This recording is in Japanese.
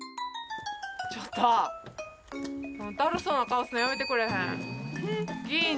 ちょっと、だるそうな顔するのやめてくれへん？